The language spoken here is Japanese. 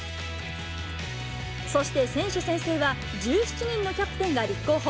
そして選手宣誓は、１７人のキャプテンが立候補。